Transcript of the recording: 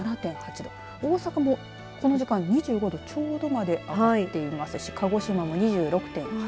大阪もこの時間２５度ちょうどまで上がっていますし鹿児島も２６．８度。